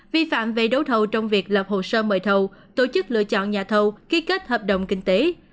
vi phạm về đấu thầu trong việc lập hồ sơ mời thầu tổ chức lựa chọn nhà thầu ký kết hợp đồng kinh tế